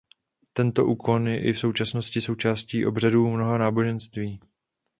Tento úkon je i v současnosti součástí obřadů mnoha náboženství.